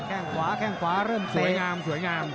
แข้งขวาแข้งขวาเริ่มเตะสวยงาม